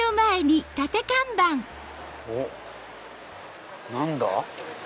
おっ何だ？